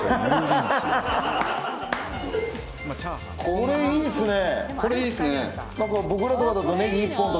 これいいですね！